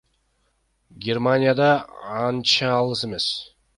Германия да анча алыс эмес.